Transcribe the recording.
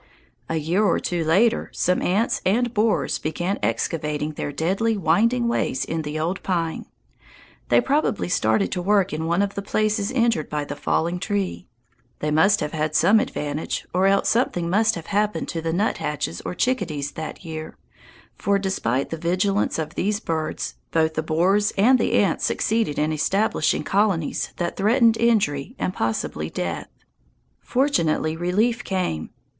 A year or two later some ants and borers began excavating their deadly winding ways in the old pine. They probably started to work in one of the places injured by the falling tree. They must have had some advantage, or else something must have happened to the nuthatches and chickadees that year, for, despite the vigilance of these birds, both the borers and the ants succeeded in establishing colonies that threatened injury and possibly death. Fortunately relief came.